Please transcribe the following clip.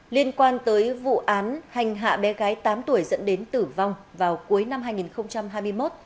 tòa án hành hạ bé gái tám tuổi dẫn đến tử vong vào cuối năm hai nghìn hai mươi một